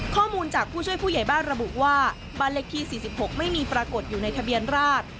ข้อมูลจากผู้ช่วยผู้ใหญ่บ้านระบุว่าบ้านเลขที่๔๖ไม่มีปรากฏอยู่ในทะเบียนราช